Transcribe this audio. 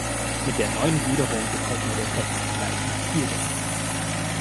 Mit der neuen Gliederung gefällt mir der Text gleich viel besser.